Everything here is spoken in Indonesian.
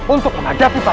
untuk menghadapi pati agung